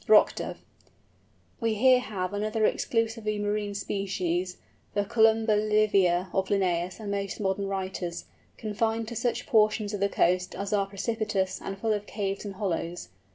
ROCK DOVE. We here have another exclusively marine species, the Columba livia of Linnæus and most modern writers, confined to such portions of the coast as are precipitous and full of caves and hollows.